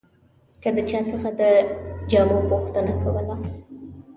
که د چا څخه د جامو پوښتنه کوله.